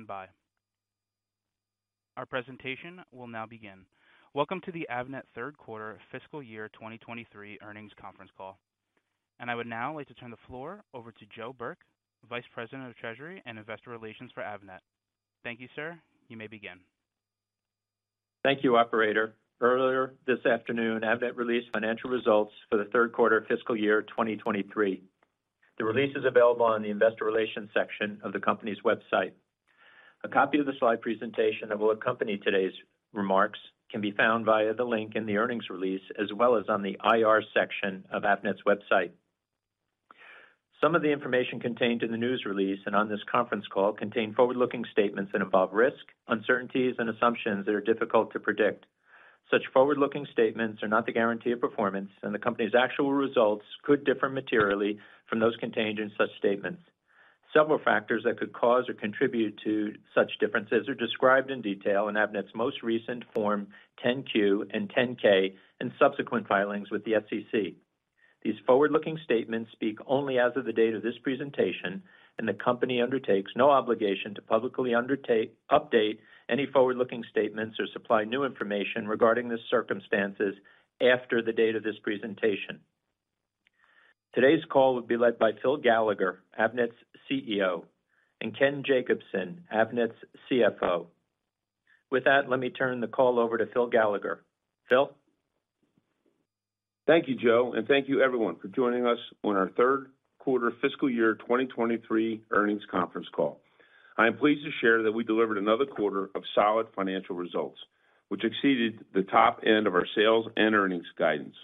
Standby. Our presentation will now begin. Welcome to the Avnet third quarter fiscal year 2023 earnings conference call. I would now like to turn the floor over to Joe Burke, Vice President of Treasury and Investor Relations for Avnet. Thank you, sir. You may begin. Thank you, operator. Earlier this afternoon, Avnet released financial results for the third quarter of fiscal year 2023. The release is available on the investor relations section of the company's website. A copy of the slide presentation that will accompany today's remarks can be found via the link in the earnings release as well as on the IR section of Avnet's website. Some of the information contained in the news release and on this conference call contain forward-looking statements that involve risk, uncertainties, and assumptions that are difficult to predict. Such forward-looking statements are not the guarantee of performance, and the company's actual results could differ materially from those contained in such statements. Several factors that could cause or contribute to such differences are described in detail in Avnet's most recent Form 10-Q and Form 10-K and subsequent filings with the SEC. These forward-looking statements speak only as of the date of this presentation. The company undertakes no obligation to publicly update any forward-looking statements or supply new information regarding the circumstances after the date of this presentation. Today's call will be led by Phil Gallagher, Avnet's CEO, and Ken Jacobson, Avnet's CFO. With that, let me turn the call over to Phil Gallagher. Phil? Thank you, Joe, and thank you everyone for joining us on our third quarter fiscal year 2023 earnings conference call. I am pleased to share that we delivered another quarter of solid financial results, which exceeded the top end of our sales and earnings guidance.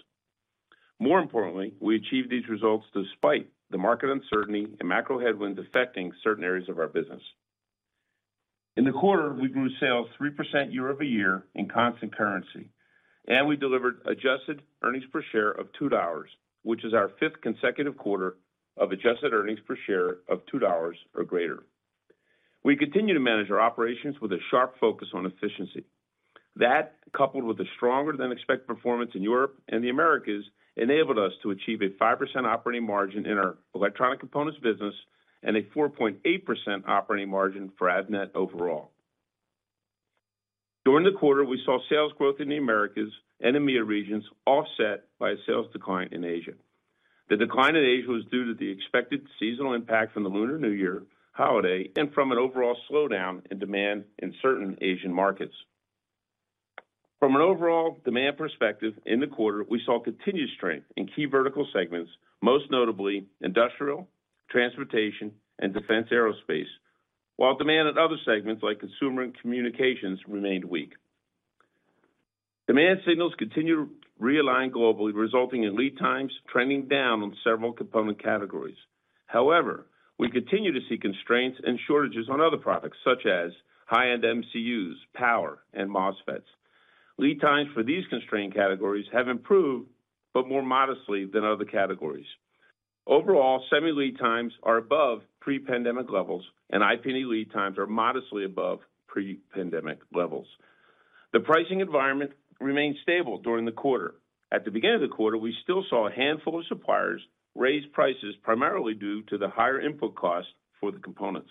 More importantly, we achieved these results despite the market uncertainty and macro headwinds affecting certain areas of our business. In the quarter, we grew sales 3% year-over-year in constant currency, and we delivered adjusted earnings per share of $2, which is our fifth consecutive quarter of adjusted earnings per share of $2 or greater. We continue to manage our operations with a sharp focus on efficiency. That, coupled with a stronger than expected performance in Europe and the Americas, enabled us to achieve a 5% operating margin in our electronic components business and a 4.8% operating margin for Avnet overall. During the quarter, we saw sales growth in the Americas and EMEA regions offset by a sales decline in Asia. The decline in Asia was due to the expected seasonal impact from the Lunar New Year holiday and from an overall slowdown in demand in certain Asian markets. From an overall demand perspective in the quarter, we saw continued strength in key vertical segments, most notably industrial, transportation, and defense aerospace. Demand in other segments like consumer and communications remained weak. Demand signals continue to realign globally, resulting in lead times trending down on several component categories. However, we continue to see constraints and shortages on other products, such as high-end MCUs, power, and MOSFETs. Lead times for these constrained categories have improved, but more modestly than other categories. Overall, semi lead times are above pre-pandemic levels, and IP&E lead times are modestly above pre-pandemic levels. The pricing environment remained stable during the quarter. At the beginning of the quarter, we still saw a handful of suppliers raise prices primarily due to the higher input costs for the components.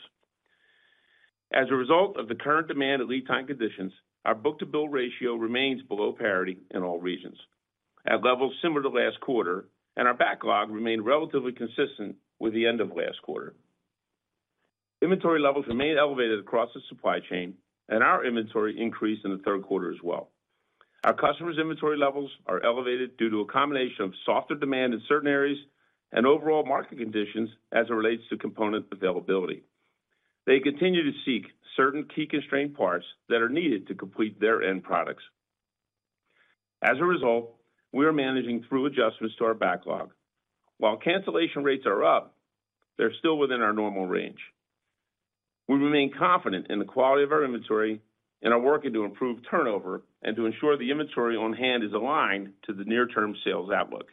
As a result of the current demand and lead time conditions, our book-to-bill ratio remains below parity in all regions at levels similar to last quarter, and our backlog remained relatively consistent with the end of last quarter. Inventory levels remain elevated across the supply chain, and our inventory increased in the third quarter as well. Our customers' inventory levels are elevated due to a combination of softer demand in certain areas and overall market conditions as it relates to component availability. They continue to seek certain key constrained parts that are needed to complete their end products. As a result, we are managing through adjustments to our backlog. While cancellation rates are up, they're still within our normal range. We remain confident in the quality of our inventory and are working to improve turnover and to ensure the inventory on hand is aligned to the near-term sales outlook.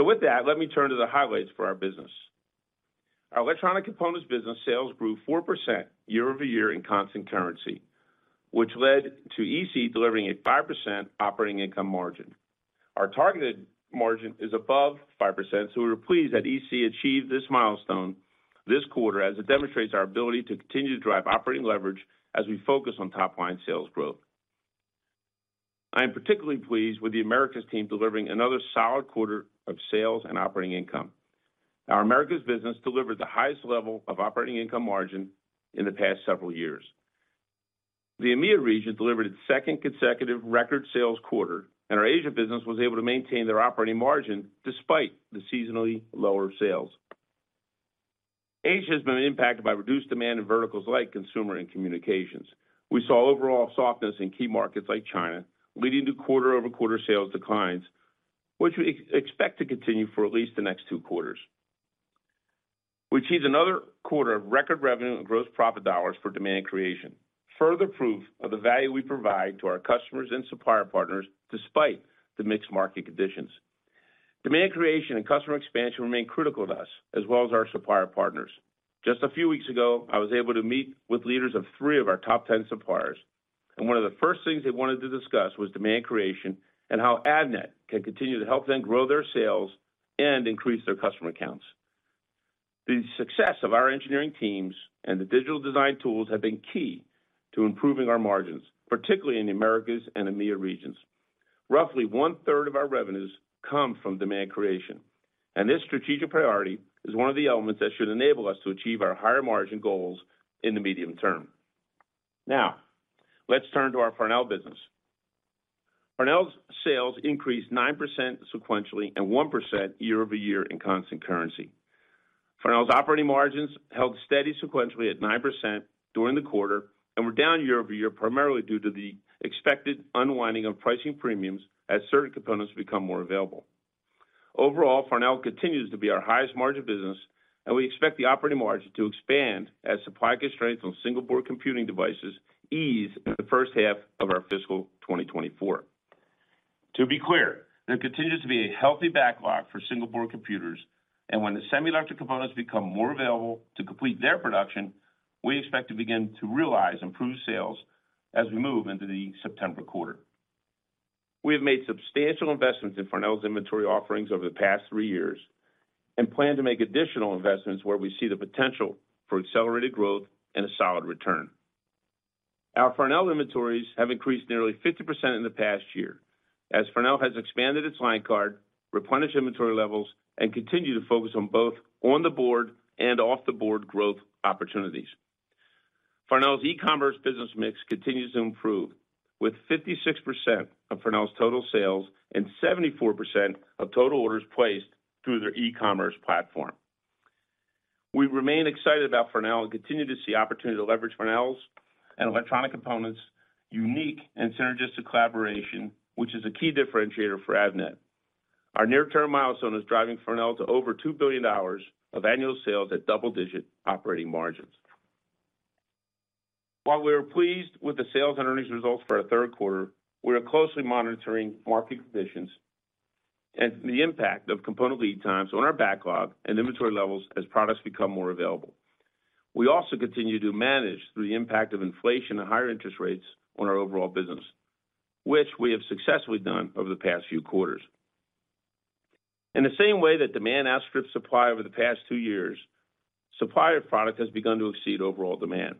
With that, let me turn to the highlights for our business. Our electronic components business sales grew 4% year-over-year in constant currency, which led to EC delivering a 5% operating income margin. Our targeted margin is above 5%, we're pleased that EC achieved this milestone this quarter as it demonstrates our ability to continue to drive operating leverage as we focus on top line sales growth. I am particularly pleased with the Americas team delivering another solid quarter of sales and operating income. Our Americas business delivered the highest level of operating income margin in the past several years. The EMEA region delivered its second consecutive record sales quarter, our Asia business was able to maintain their operating margin despite the seasonally lower sales. Asia has been impacted by reduced demand in verticals like consumer and communications. We saw overall softness in key markets like China, leading to quarter-over-quarter sales declines, which we expect to continue for at least the next 2 quarters. We achieved another quarter of record revenue and gross profit dollars for demand creation. Further proof of the value we provide to our customers and supplier partners despite the mixed market conditions. Demand creation and customer expansion remain critical to us as well as our supplier partners. Just a few weeks ago, I was able to meet with leaders of 3 of our top 10 suppliers. One of the first things they wanted to discuss was demand creation and how Avnet can continue to help them grow their sales and increase their customer accounts. The success of our engineering teams and the digital design tools have been key to improving our margins, particularly in the Americas and EMEA regions. Roughly 1/3 of our revenues come from demand creation, and this strategic priority is one of the elements that should enable us to achieve our higher margin goals in the medium term. Let's turn to our Farnell business. Farnell's sales increased 9% sequentially and 1% year-over-year in constant currency. Farnell's operating margins held steady sequentially at 9% during the quarter and were down year-over-year, primarily due to the expected unwinding of pricing premiums as certain components become more available. Farnell continues to be our highest margin business, and we expect the operating margin to expand as supply constraints on single-board computers ease in the first half of our fiscal 2024. To be clear, there continues to be a healthy backlog for single-board computers, and when the semi electric components become more available to complete their production, we expect to begin to realize improved sales as we move into the September quarter. We have made substantial investments in Farnell's inventory offerings over the past three years and plan to make additional investments where we see the potential for accelerated growth and a solid return. Our Farnell inventories have increased nearly 50% in the past year as Farnell has expanded its line card, replenished inventory levels, and continue to focus on both on the board and off the board growth opportunities. Farnell's e-commerce business mix continues to improve, with 56% of Farnell's total sales and 74% of total orders placed through their e-commerce platform. We remain excited about Farnell and continue to see opportunity to leverage Farnell's and electronic components unique and synergistic collaboration, which is a key differentiator for Avnet. Our near-term milestone is driving Farnell to over $2 billion of annual sales at double-digit operating margins. While we are pleased with the sales and earnings results for our third quarter, we are closely monitoring market conditions and the impact of component lead times on our backlog and inventory levels as products become more available. We also continue to manage through the impact of inflation and higher interest rates on our overall business, which we have successfully done over the past few quarters. In the same way that demand outstripped supply over the past two years, supplier product has begun to exceed overall demand.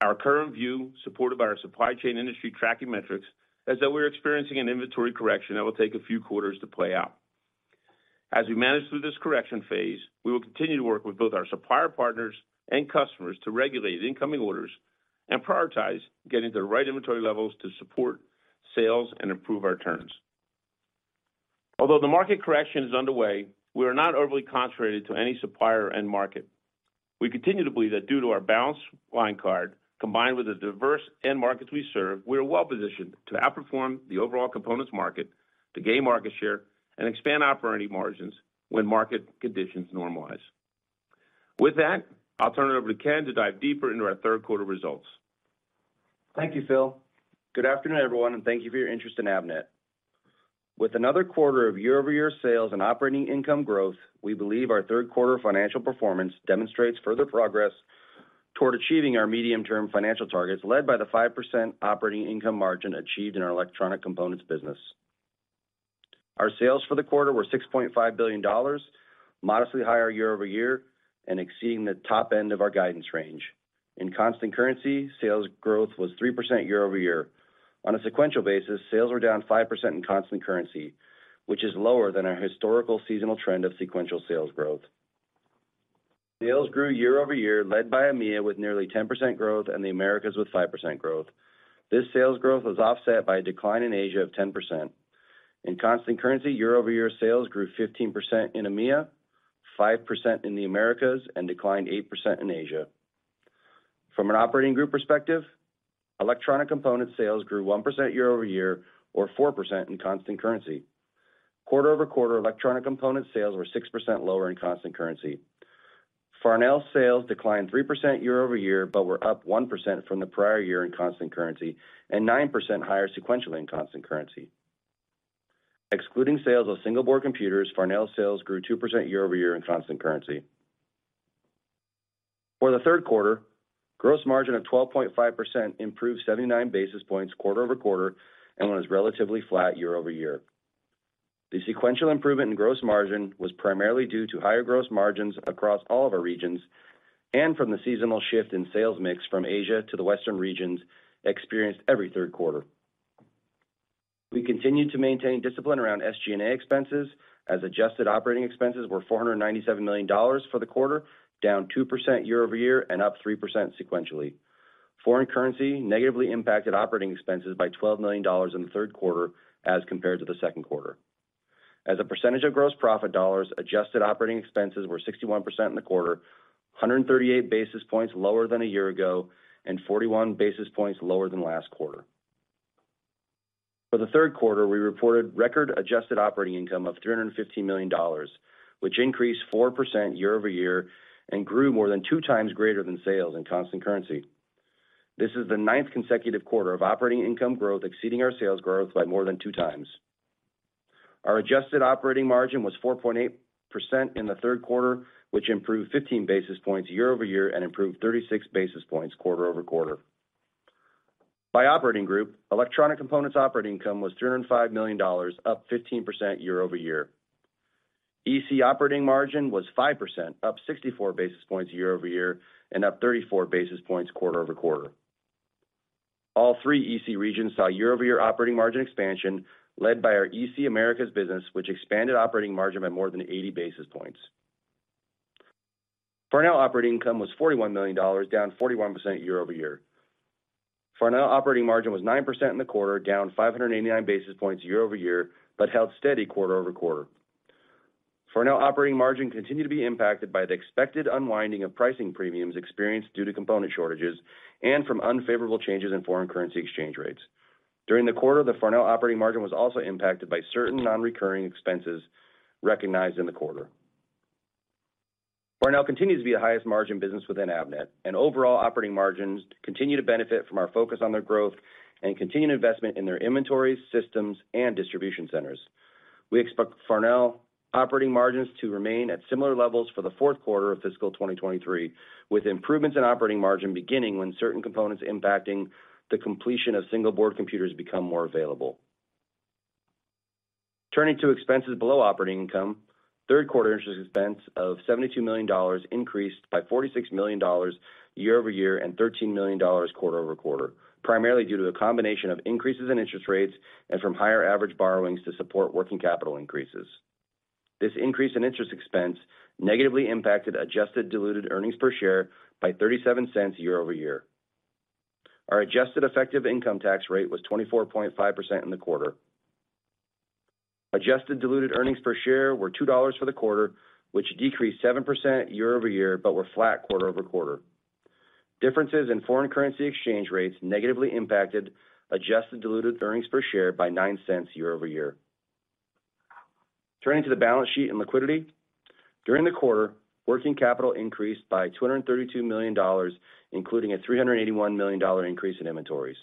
Our current view, supported by our supply chain industry tracking metrics, is that we're experiencing an inventory correction that will take a few quarters to play out. As we manage through this correction phase, we will continue to work with both our supplier partners and customers to regulate incoming orders and prioritize getting the right inventory levels to support sales and improve our terms. Although the market correction is underway, we are not overly concentrated to any supplier end market. We continue to believe that due to our balanced line card, combined with the diverse end markets we serve, we are well-positioned to outperform the overall components market, to gain market share, and expand our operating margins when market conditions normalize. With that, I'll turn it over to Ken to dive deeper into our third quarter results. Thank you, Phil. Good afternoon, everyone, and thank you for your interest in Avnet. With another quarter of year-over-year sales and operating income growth, we believe our third quarter financial performance demonstrates further progress toward achieving our medium-term financial targets, led by the 5% operating income margin achieved in our electronic components business. Our sales for the quarter were $6.5 billion, modestly higher year-over-year, and exceeding the top end of our guidance range. In constant currency, sales growth was 3% year-over-year. On a sequential basis, sales were down 5% in constant currency, which is lower than our historical seasonal trend of sequential sales growth. Sales grew year-over-year, led by EMEA with nearly 10% growth and the Americas with 5% growth. This sales growth was offset by a decline in Asia of 10%. In constant currency, year-over-year sales grew 15% in EMEA, 5% in the Americas, and declined 8% in Asia. From an operating group perspective, electronic component sales grew 1% year-over-year or 4% in constant currency. Quarter-over-quarter, electronic component sales were 6% lower in constant currency. Farnell sales declined 3% year-over-year, but were up 1% from the prior year in constant currency and 9% higher sequentially in constant currency. Excluding sales of single-board computers, Farnell sales grew 2% year-over-year in constant currency. For the third quarter, gross margin of 12.5% improved 79 basis points quarter-over-quarter and was relatively flat year-over-year. The sequential improvement in gross margin was primarily due to higher gross margins across all of our regions and from the seasonal shift in sales mix from Asia to the Western regions experienced every third quarter. We continued to maintain discipline around SG&A expenses as adjusted operating expenses were $497 million for the quarter, down 2% year-over-year and up 3% sequentially. Foreign currency negatively impacted operating expenses by $12 million in the third quarter as compared to the second quarter. As a percentage of gross profit dollars, adjusted operating expenses were 61% in the quarter, 138 basis points lower than a year ago and 41 basis points lower than last quarter. For the third quarter, we reported record adjusted operating income of $350 million, which increased 4% year-over-year and grew more than 2 times greater than sales in constant currency. This is the ninth consecutive quarter of operating income growth exceeding our sales growth by more than 2 times. Our adjusted operating margin was 4.8% in the third quarter, which improved 15 basis points year-over-year and improved 36 basis points quarter-over-quarter. By operating group, Electronic Components operating income was $205 million, up 15% year-over-year. EC operating margin was 5%, up 64 basis points year-over-year and up 34 basis points quarter-over-quarter. All three EC regions saw year-over-year operating margin expansion led by our EC Americas business, which expanded operating margin by more than 80 basis points. Farnell operating income was $41 million, down 41% year-over-year. Farnell operating margin was 9% in the quarter, down 589 basis points year-over-year, held steady quarter-over-quarter. Farnell operating margin continued to be impacted by the expected unwinding of pricing premiums experienced due to component shortages and from unfavorable changes in foreign currency exchange rates. During the quarter, the Farnell operating margin was also impacted by certain non-recurring expenses recognized in the quarter. Farnell continues to be the highest margin business within Avnet, Overall operating margins continue to benefit from our focus on their growth and continued investment in their inventories, systems, and distribution centers. We expect Farnell operating margins to remain at similar levels for the fourth quarter of fiscal 2023, with improvements in operating margin beginning when certain components impacting the completion of single-board computers become more available. Turning to expenses below operating income. Third quarter interest expense of $72 million increased by $46 million year-over-year and $13 million quarter-over-quarter, primarily due to a combination of increases in interest rates and from higher average borrowings to support working capital increases. This increase in interest expense negatively impacted adjusted diluted earnings per share by $0.37 year-over-year. Our adjusted effective income tax rate was 24.5% in the quarter. Adjusted diluted earnings per share were $2 for the quarter, which decreased 7% year-over-year, but were flat quarter-over-quarter. Differences in foreign currency exchange rates negatively impacted adjusted diluted earnings per share by $0.09 year-over-year. Turning to the balance sheet and liquidity. During the quarter, working capital increased by $232 million, including a $381 million increase in inventories.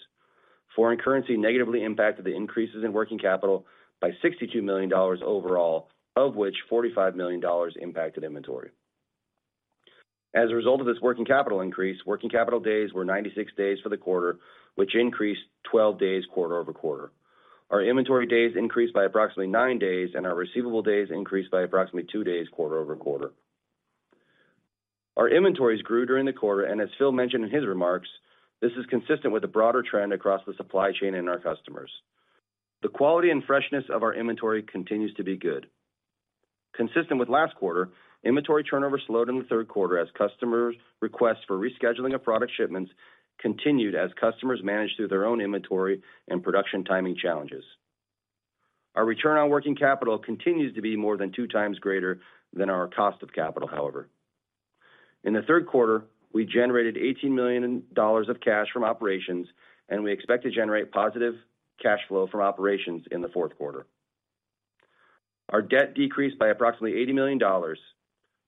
Foreign currency negatively impacted the increases in working capital by $62 million overall, of which $45 million impacted inventory. As a result of this working capital increase, working capital days were 96 days for the quarter, which increased 12 days quarter-over-quarter. Our inventory days increased by approximately 9 days, and our receivable days increased by approximately 2 days quarter-over-quarter. Our inventories grew during the quarter, and as Phil mentioned in his remarks, this is consistent with the broader trend across the supply chain and our customers. The quality and freshness of our inventory continues to be good. Consistent with last quarter, inventory turnover slowed in the third quarter as customers requests for rescheduling of product shipments continued as customers managed through their own inventory and production timing challenges. Our return on working capital continues to be more than 2 times greater than our cost of capital, however. In the third quarter, we generated $18 million of cash from operations, and we expect to generate positive cash flow from operations in the fourth quarter. Our debt decreased by approximately $80 million.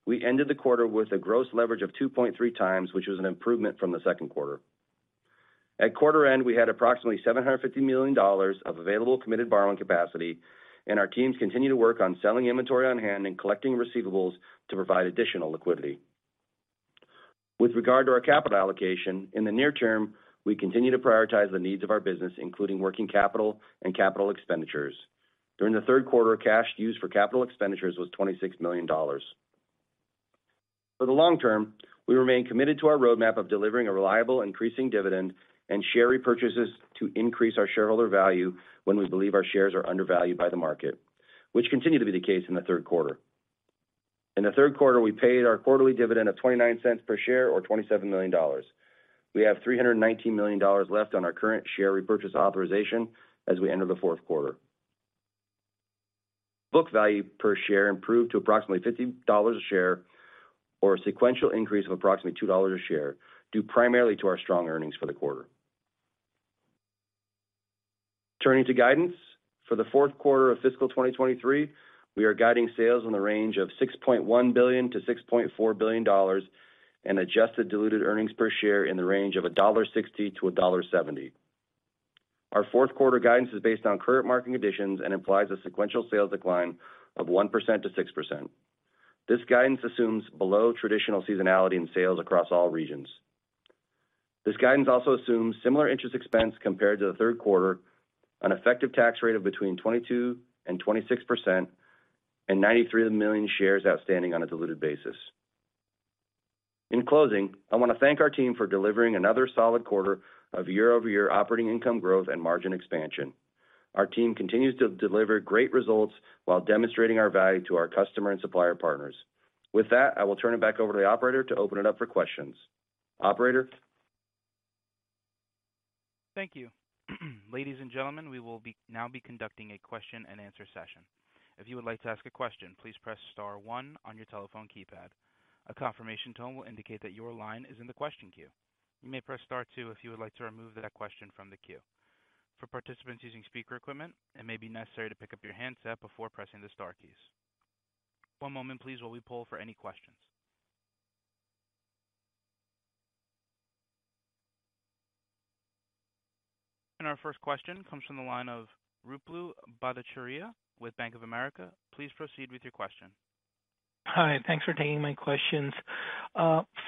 We ended the quarter with a gross leverage of 2.3x, which was an improvement from the second quarter. At quarter end, we had approximately $750 million of available committed borrowing capacity, and our teams continue to work on selling inventory on hand and collecting receivables to provide additional liquidity. With regard to our capital allocation, in the near term, we continue to prioritize the needs of our business, including working capital and capital expenditures. During the third quarter, cash used for capital expenditures was $26 million. For the long term, we remain committed to our roadmap of delivering a reliable increasing dividend and share repurchases to increase our shareholder value when we believe our shares are undervalued by the market, which continued to be the case in the third quarter. In the third quarter, we paid our quarterly dividend of $0.29 per share, or $27 million. We have $319 million left on our current share repurchase authorization as we enter the fourth quarter. Book value per share improved to approximately $50 a share, or a sequential increase of approximately $2 a share, due primarily to our strong earnings for the quarter. Turning to guidance. For the fourth quarter of fiscal 2023, we are guiding sales in the range of $6.1 billion-$6.4 billion and adjusted diluted earnings per share in the range of $1.60-$1.70. Our fourth quarter guidance is based on current market conditions and implies a sequential sales decline of 1%-6%. This guidance assumes below traditional seasonality in sales across all regions. This guidance also assumes similar interest expense compared to the third quarter, an effective tax rate of between 22% and 26%, and 93 million shares outstanding on a diluted basis. In closing, I want to thank our team for delivering another solid quarter of year-over-year operating income growth and margin expansion. Our team continues to deliver great results while demonstrating our value to our customer and supplier partners. With that, I will turn it back over to the operator to open it up for questions. Operator? Thank you. Ladies and gentlemen, we will now be conducting a question and answer session. If you would like to ask a question, please press star 1 on your telephone keypad. A confirmation tone will indicate that your line is in the question queue. You may press star 2 if you would like to remove that question from the queue. For participants using speaker equipment, it may be necessary to pick up your handset before pressing the star keys. One moment please while we poll for any questions. Our first question comes from the line of Ruplu Bhattacharya with Bank of America. Please proceed with your question. Hi, thanks for taking my questions.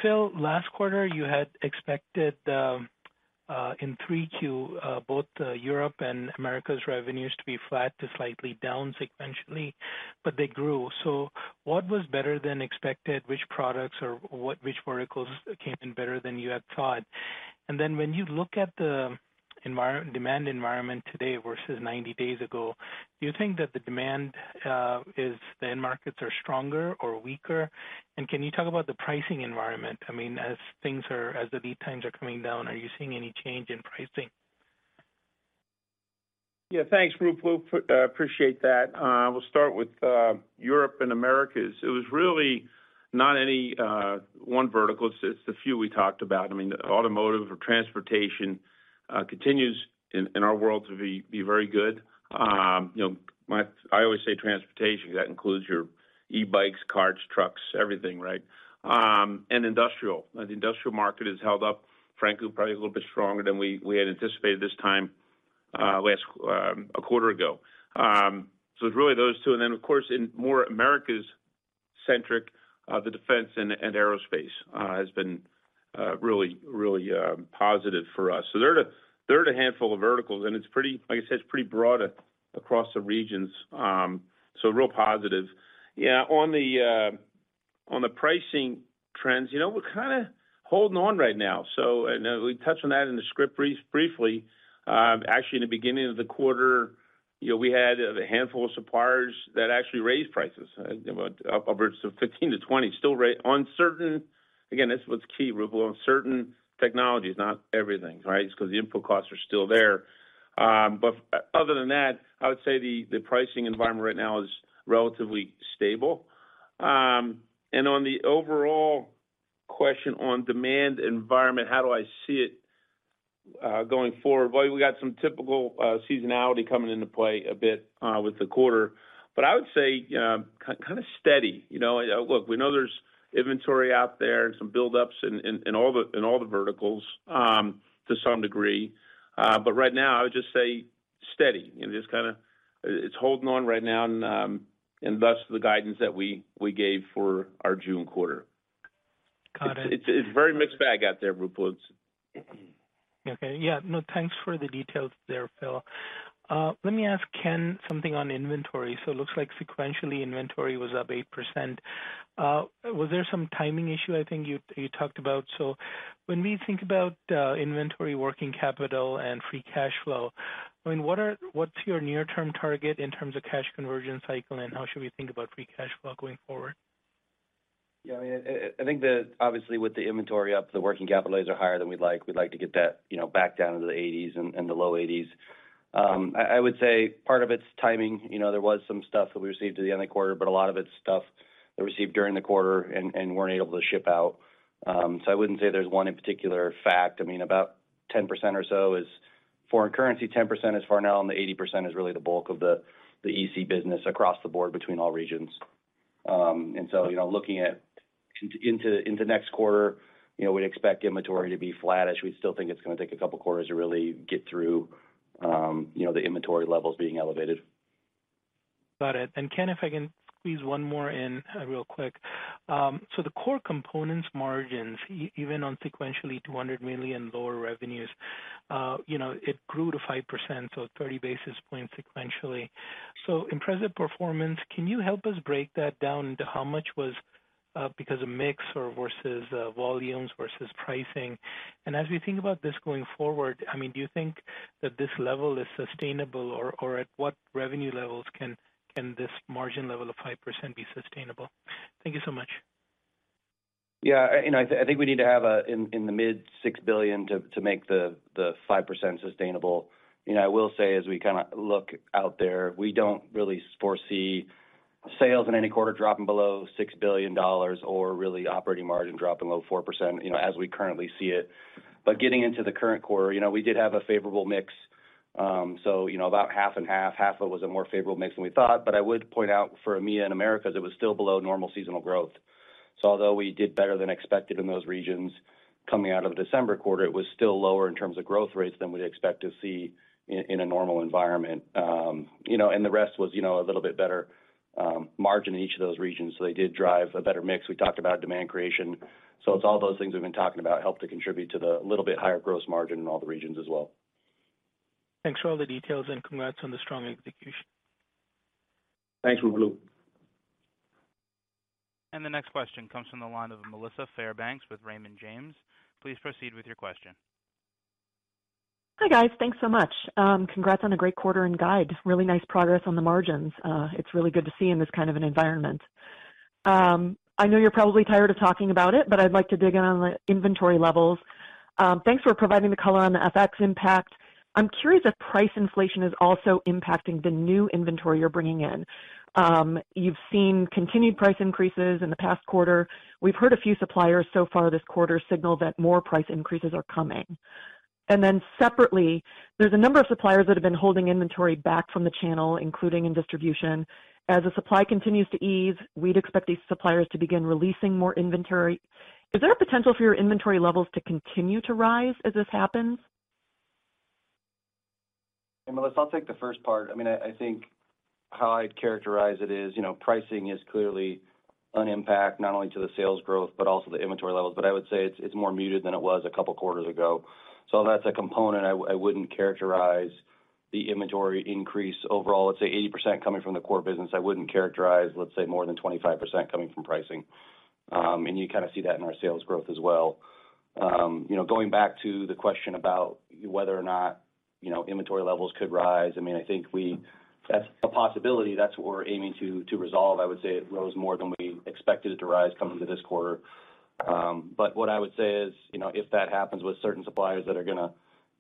Phil, last quarter you had expected in 3Q, both Europe and Americas revenues to be flat to slightly down sequentially, but they grew. What was better than expected? Which products or which verticals came in better than you had thought? When you look at the demand environment today versus 90 days ago, do you think that the demand, is the end markets are stronger or weaker? Can you talk about the pricing environment? I mean, as the lead times are coming down, are you seeing any change in pricing? Yeah, thanks, Ruplu. Appreciate that. We'll start with Europe and Americas. It was really not any one vertical. It's a few we talked about. I mean, automotive or transportation continues in our world to be very good. You know, I always say transportation, that includes your e-bikes, cars, trucks, everything, right? And industrial. The industrial market has held up, frankly, probably a little bit stronger than we had anticipated this time last a quarter ago. It's really those two. Then of course, in more Americas centric, the defense and aerospace has been really positive for us. There are a handful of verticals, and it's pretty, like I said, it's pretty broad across the regions. Real positive. Yeah, on the pricing trends, you know, we're kind of holding on right now. You know, we touched on that in the script briefly. Actually, in the beginning of the quarter, you know, we had a handful of suppliers that actually raised prices, you know, upwards of 15%-20%, still on certain... Again, that's what's key, Ruplu, on certain technologies, not everything, right? Because the input costs are still there. Other than that, I would say the pricing environment right now is relatively stable. On the overall question on demand environment, how do I see it going forward? We got some typical seasonality coming into play a bit with the quarter. I would say kind of steady. You know, look, we know there's inventory out there and some buildups in, in all the, in all the verticals to some degree. Right now I would just say steady. You know, just kinda it's holding on right now, and thus the guidance that we gave for our June quarter. Got it. It's very mixed bag out there, Ruplu. Okay. Yeah. No, thanks for the details there, Phil. Let me ask Ken something on inventory. It looks like sequentially inventory was up 8%. Was there some timing issue I think you talked about? When we think about, inventory working capital and free cash flow, I mean, what's your near-term target in terms of cash conversion cycle, and how should we think about free cash flow going forward? I think that obviously with the inventory up, the working capital rates are higher than we'd like. We'd like to get that, you know, back down into the 80s and the low 80s. I would say part of it's timing. You know, there was some stuff that we received at the end of the quarter, but a lot of it's stuff that we received during the quarter and weren't able to ship out. I wouldn't say there's one in particular fact. I mean, about 10% or so is foreign currency, 10% is Farnell, and the 80% is really the bulk of the EC business across the board between all regions. Looking into next quarter, you know, we'd expect inventory to be flattish. We still think it's gonna take a couple quarters to really get through, you know, the inventory levels being elevated. Got it. Ken, if I can squeeze one more in, real quick. The core components margins even on sequentially $200 million lower revenues, you know, it grew to 5%, so 30 basis points sequentially. Impressive performance. Can you help us break that down into how much was because of mix or versus volumes versus pricing? As we think about this going forward, I mean, do you think that this level is sustainable? Or at what revenue levels can this margin level of 5% be sustainable? Thank you so much. I think we need to have in the mid $6 billion to make the 5% sustainable. You know, I will say, as we kinda look out there, we don't really foresee sales in any quarter dropping below $6 billion or really operating margin dropping below 4%, you know, as we currently see it. Getting into the current quarter, you know, we did have a favorable mix. So, you know, about half and half. Half of it was a more favorable mix than we thought. I would point out for EMEA and Americas, it was still below normal seasonal growth. Although we did better than expected in those regions coming out of December quarter, it was still lower in terms of growth rates than we'd expect to see in a normal environment. you know, the rest was, you know, a little bit better margin in each of those regions, so they did drive a better mix. We talked about demand creation. It's all those things we've been talking about help to contribute to the little bit higher gross margin in all the regions as well. Thanks for all the details, and congrats on the strong execution. Thanks, Ruplu. The next question comes from the line of Melissa Fairbanks with Raymond James. Please proceed with your question. Hi, guys. Thanks so much. Congrats on a great quarter and guide. Really nice progress on the margins. It's really good to see in this kind of an environment. I know you're probably tired of talking about it, but I'd like to dig in on the inventory levels. Thanks for providing the color on the FX impact. I'm curious if price inflation is also impacting the new inventory you're bringing in. You've seen continued price increases in the past quarter. We've heard a few suppliers so far this quarter signal that more price increases are coming. Separately, there's a number of suppliers that have been holding inventory back from the channel, including in distribution. As the supply continues to ease, we'd expect these suppliers to begin releasing more inventory. Is there a potential for your inventory levels to continue to rise as this happens? Melissa, I'll take the first part. I mean, I think how I'd characterize it is, you know, pricing is clearly an impact not only to the sales growth but also the inventory levels. I would say it's more muted than it was a couple of quarters ago. That's a component I wouldn't characterize the inventory increase overall, let's say 80% coming from the core business. I wouldn't characterize, let's say, more than 25% coming from pricing. You kind of see that in our sales growth as well. You know, going back to the question about whether or not, you know, inventory levels could rise. I mean, I think that's a possibility. That's what we're aiming to resolve. I would say it rose more than we expected it to rise coming to this quarter. What I would say is, you know, if that happens with certain suppliers that are gonna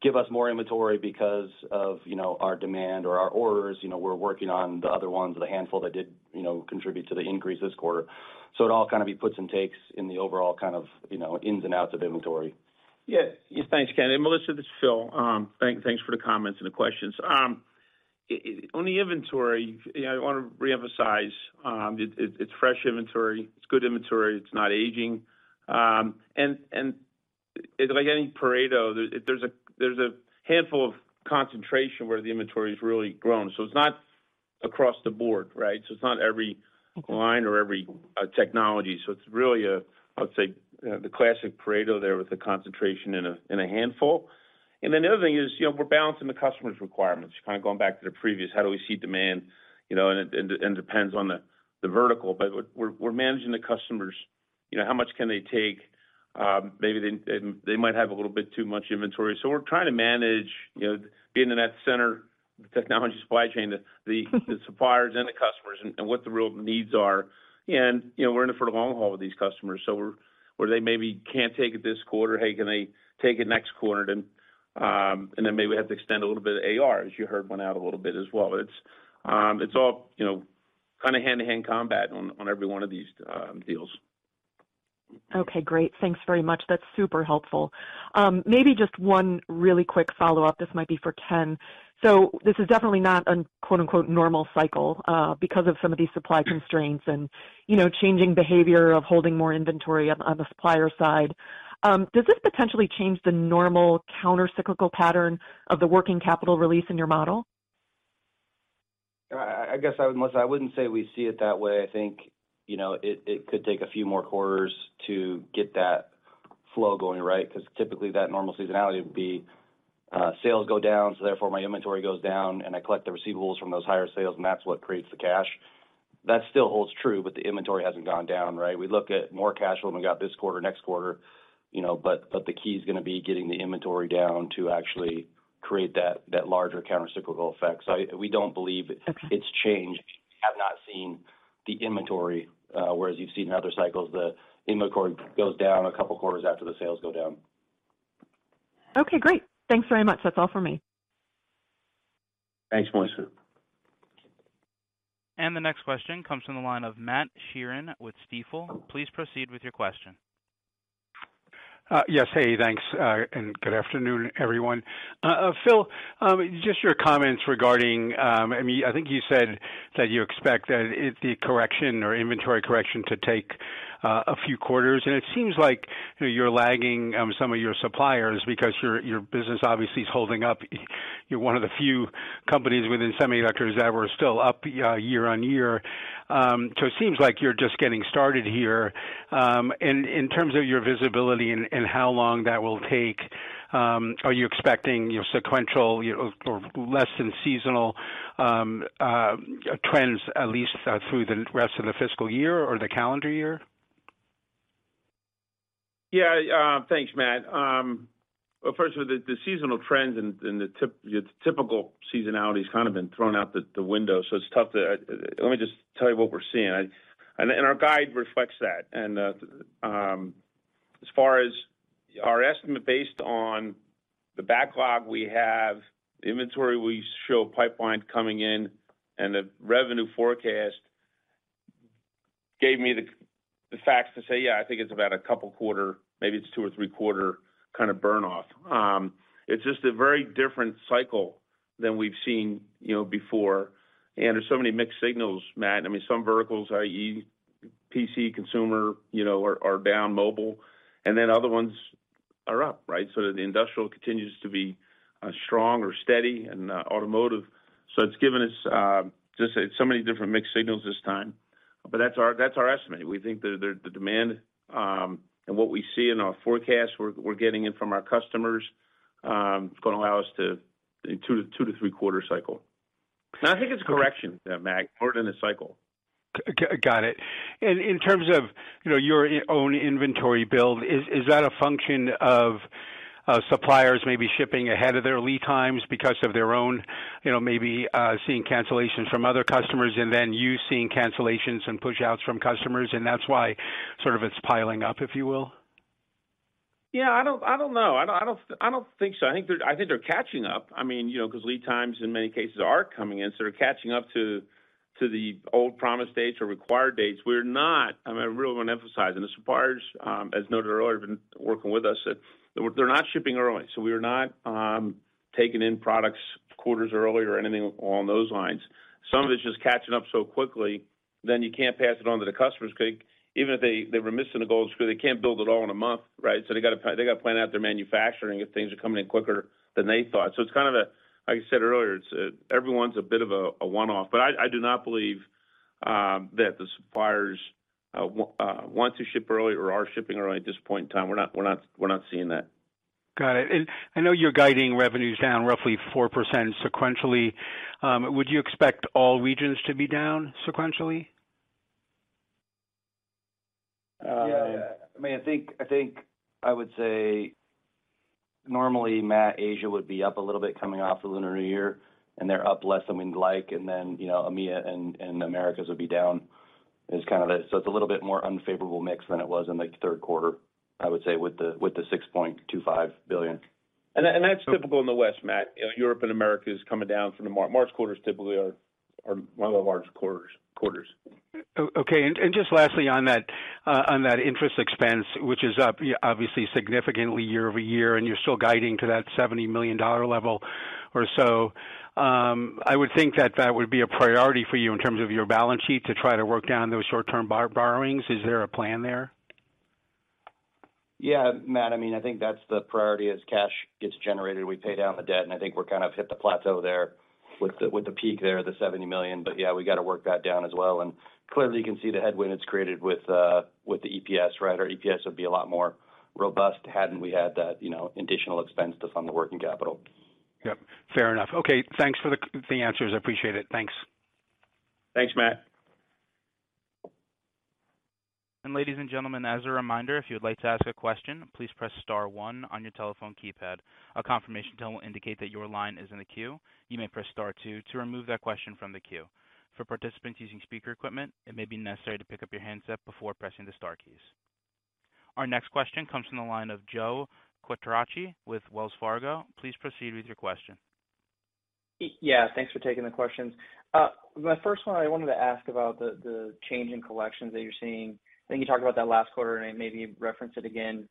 give us more inventory because of, you know, our demand or our orders, you know, we're working on the other ones with a handful that did, you know, contribute to the increase this quarter. It all kind of be puts and takes in the overall kind of, you know, ins and outs of inventory. Yeah. Thanks, Ken. Melissa, this is Phil. Thanks for the comments and the questions. On the inventory, you know, I wanna reemphasize, it's fresh inventory, it's good inventory, it's not aging. Like any Pareto, there's a handful of concentration where the inventory has really grown. It's not across the board, right? It's not every line or every technology. It's really a, I would say, the classic Pareto there with the concentration in a handful. The other thing is, you know, we're balancing the customer's requirements, kind of going back to the previous, how do we see demand, you know, and it depends on the vertical. We're managing the customers, you know, how much can they take? Maybe they might have a little bit too much inventory. We're trying to manage, you know, being in that center technology supply chain, the suppliers and the customers and what the real needs are. You know, we're in it for the long haul with these customers. Where they maybe can't take it this quarter, hey, can they take it next quarter? Then, maybe we have to extend a little bit of AR, as you heard one out a little bit as well. It's all, you know, kind of hand-to-hand combat on every one of these deals. Okay, great. Thanks very much. That's super helpful. Maybe just one really quick follow-up. This might be for Ken. This is definitely not a quote-unquote, normal cycle, because of some of these supply constraints and, you know, changing behavior of holding more inventory on the supplier side. Does this potentially change the normal countercyclical pattern of the working capital release in your model? I guess Melissa, I wouldn't say we see it that way. I think, you know, it could take a few more quarters to get that flow going, right? Because typically that normal seasonality would be, sales go down, so therefore my inventory goes down, and I collect the receivables from those higher sales, and that's what creates the cash. That still holds true, but the inventory hasn't gone down, right? We look at more cash flow than we got this quarter, next quarter, you know, but the key is going to be getting the inventory down to actually create that larger countercyclical effect. We don't believe it's changed. We have not seen the inventory, whereas you've seen in other cycles, the inventory goes down 2 quarters after the sales go down. Okay, great. Thanks very much. That's all for me. Thanks, Melissa. The next question comes from the line of Matt Sheerin with Stifel. Please proceed with your question. Yes. Hey, thanks, and good afternoon, everyone. Phil, just your comments regarding, I mean, I think you said that you expect that the correction or inventory correction to take a few quarters. It seems like you're lagging some of your suppliers because your business obviously is holding up. You're one of the few companies within semiconductors that were still up year-on-year. It seems like you're just getting started here. In terms of your visibility and how long that will take, are you expecting your sequential or less than seasonal trends at least through the rest of the fiscal year or the calendar year? Yeah. Thanks, Matt. Well, first of all, the seasonal trends and the typical seasonality has kind of been thrown out the window. It's tough to. Let me just tell you what we're seeing. Our guide reflects that. As far as our estimate, based on the backlog we have, the inventory we show pipeline coming in, and the revenue forecast gave me the facts to say, "Yeah, I think it's about a couple quarter, maybe it's 2 or 3 quarter kind of burn off." It's just a very different cycle than we've seen, you know, before. There's so many mixed signals, Matt. I mean, some verticals, i.e., PC, consumer, you know, are down mobile, other ones are up, right? The industrial continues to be strong or steady and automotive. It's given us, just so many different mixed signals this time. That's our estimate. We think that the demand, and what we see in our forecast, we're getting it from our customers, it's gonna allow us to 2 to 3 quarter cycle. I think it's correction, Matt, more than a cycle. Got it. In terms of, you know, your own inventory build, is that a function of suppliers maybe shipping ahead of their lead times because of their own, you know, maybe seeing cancellations from other customers and then you seeing cancellations and pushouts from customers, and that's why sort of it's piling up, if you will? Yeah, I don't know. I don't think so. I think they're catching up. I mean, you know, because lead times in many cases are coming in, so they're catching up to the old promised dates or required dates. We're not, I mean, I really want to emphasize, and the suppliers, as noted earlier, have been working with us, they're not shipping early, so we are not taking in products quarters early or anything along those lines. Some of it is just catching up so quickly, then you can't pass it on to the customers because even if they were missing the goals, they can't build it all in a month, right? They got to plan out their manufacturing if things are coming in quicker than they thought. It's kind of a, like I said earlier, it's everyone's a bit of a one-off. I do not believe that the suppliers, want to ship early or are shipping early at this point in time. We're not seeing that. Got it. I know you're guiding revenues down roughly 4% sequentially. Would you expect all regions to be down sequentially? Yeah. I mean, I think, I think I would say normally, Matt, Asia would be up a little bit coming off the Lunar New Year. They're up less than we'd like. You know, EMEA and Americas would be down is kind of it. It's a little bit more unfavorable mix than it was in, like, the third quarter, I would say, with the, with the $6.25 billion. That's typical in the West, Matt. You know, Europe and America is coming down from the March quarters typically are one of the largest quarters. Okay. Just lastly on that, on that interest expense, which is up, yeah, obviously significantly year-over-year, and you're still guiding to that $70 million level or so. I would think that that would be a priority for you in terms of your balance sheet to try to work down those short-term borrowings. Is there a plan there? Matt, I mean, I think that's the priority. As cash gets generated, we pay down the debt, and I think we're kind of hit the plateau there with the, with the peak there, the $70 million. Yeah, we gotta work that down as well. Clearly, you can see the headwind it's created with the EPS, right? Our EPS would be a lot more robust hadn't we had that, you know, additional expense to fund the working capital. Yep, fair enough. Okay. Thanks for the answers. I appreciate it. Thanks. Thanks, Matt. Ladies and gentlemen, as a reminder, if you'd like to ask a question, please press star one on your telephone keypad. A confirmation tone will indicate that your line is in the queue. You may press star two to remove that question from the queue. For participants using speaker equipment, it may be necessary to pick up your handset before pressing the star keys. Our next question comes from the line of Joe Quatrochi with Wells Fargo. Please proceed with your question. Yeah, thanks for taking the questions. My first one, I wanted to ask about the change in collections that you're seeing. I think you talked about that last quarter, and maybe you referenced it again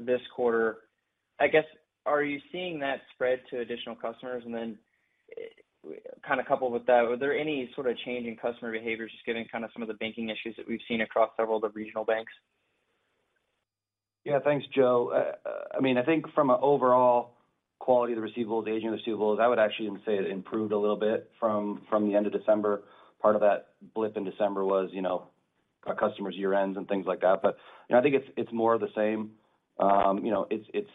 this quarter. I guess, are you seeing that spread to additional customers? Then, kinda coupled with that, are there any sort of change in customer behaviors, just given kinda some of the banking issues that we've seen across several of the regional banks? Yeah, thanks, Joe. I mean, I think from an overall quality of the receivables, aging of receivables, I would actually even say it improved a little bit from the end of December. Part of that blip in December was, you know, our customers' year-ends and things like that. You know, I think it's more of the same. You know, it's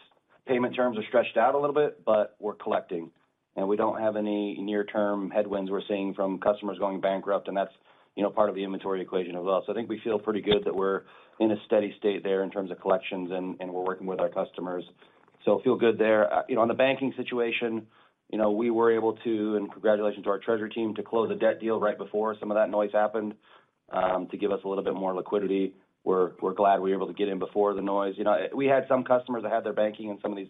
payment terms are stretched out a little bit, but we're collecting and we don't have any near-term headwinds we're seeing from customers going bankrupt, and that's, you know, part of the inventory equation as well. I think we feel pretty good that we're in a steady state there in terms of collections and we're working with our customers. Feel good there. You know, on the banking situation, you know, we were able to, and congratulations to our treasury team, to close a debt deal right before some of that noise happened, to give us a little bit more liquidity. We're glad we were able to get in before the noise. You know, we had some customers that had their banking in some of these,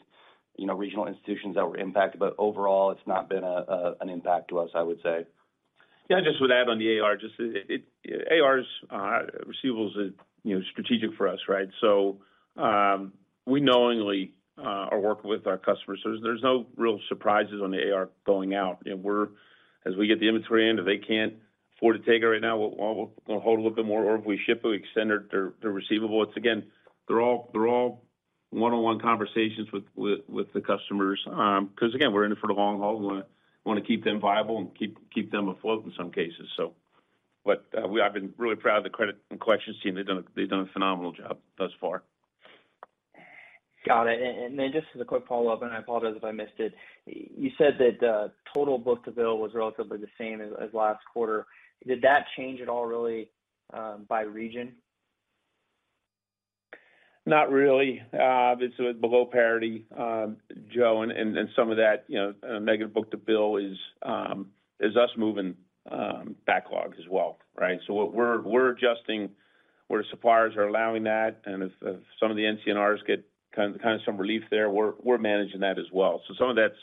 you know, regional institutions that were impacted, but overall, it's not been an impact to us, I would say. Yeah, just would add on the AR's receivables are, you know, strategic for us, right? We knowingly are working with our customers. There's no real surprises on the AR going out. As we get the inventory in, if they can't afford to take it right now, we'll hold a little bit more, or if we ship it, we extend their receivable. It's again, they're all one-on-one conversations with the customers. 'Cause again, we're in it for the long haul. We wanna keep them viable and keep them afloat in some cases. I've been really proud of the credit and collections team. They've done a phenomenal job thus far. Got it. Just as a quick follow-up, and I apologize if I missed it. You said that total book-to-bill was relatively the same as last quarter. Did that change at all really by region? Not really. It's below parity, Joe, and some of that, you know, negative book-to-bill is us moving backlog as well, right. What we're adjusting where suppliers are allowing that. If some of the NCNRs get kind of some relief there, we're managing that as well. Some of that's,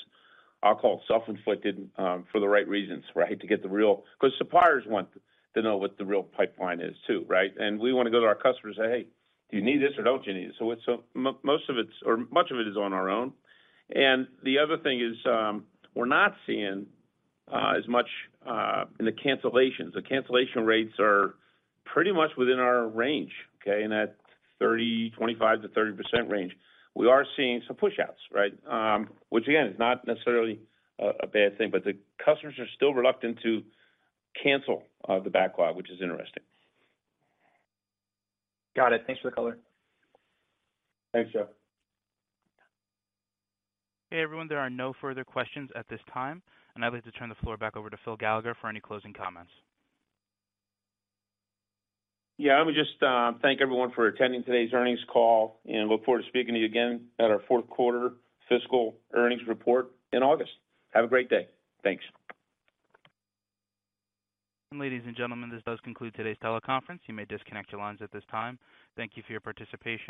I'll call it, self-inflicted, for the right reasons, right. To get the real. 'Cause suppliers want to know what the real pipeline is too, right. We wanna go to our customers and say, "Hey, do you need this or don't you need it?" Most of it or much of it is on our own. The other thing is, we're not seeing as much in the cancellations. The cancellation rates are pretty much within our range, okay. In that 30, 25%-30% range. We are seeing some pushouts, right? Which again, is not necessarily a bad thing, the customers are still reluctant to cancel the backlog, which is interesting. Got it. Thanks for the color. Thanks, Joe. Okay, everyone, there are no further questions at this time. I'd like to turn the floor back over to Phil Gallagher for any closing comments. I would just, thank everyone for attending today's earnings call and look forward to speaking to you again at our fourth quarter fiscal earnings report in August. Have a great day. Thanks. Ladies and gentlemen, this does conclude today's teleconference. You may disconnect your lines at this time. Thank you for your participation.